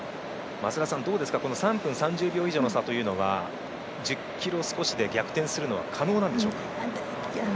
３分３０秒以上の差というのは１０ｋｍ少しで逆転するのは可能なんでしょうか？